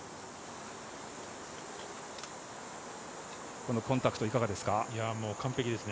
このコンタクト、いかがですか？